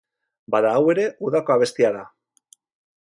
Bada, hau ere udako abestia da.